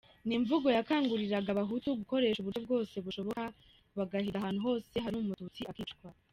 Ni imvugo yakanguriraga abahutu gukoresha uburyo bwose bushoboka bagahiga ahantu hose hari umututsi akicwa.